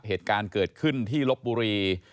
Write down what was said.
เหตุการณ์เกิดขึ้นที่ลบบุรี